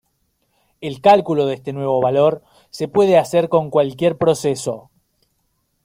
El cálculo de este nuevo valor se puede hacer con cualquier proceso.